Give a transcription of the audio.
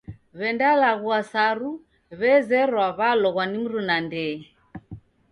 W'endalaghulwa saru w'ezerwa w'aloghwa ni mruna ndee.